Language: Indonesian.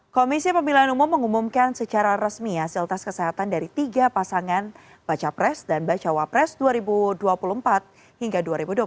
komisi pemilihan umum mengumumkan secara resmi hasil tes kesehatan dari tiga pasangan baca pres dan bacawa pres dua ribu dua puluh empat hingga dua ribu dua puluh empat